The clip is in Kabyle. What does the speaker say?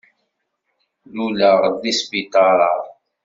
Luleɣ-d deg sbiṭaṛ-a.